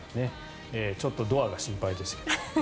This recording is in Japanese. ちょっとドアが心配ですけど。